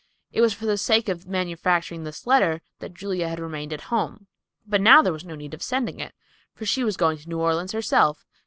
It was for the sake of manufacturing this letter that Julia had remained at home. But now there was no need of sending it, for she was going to New Orleans herself.